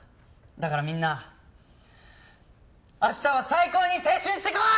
だからみんな明日は最高に青春してこい！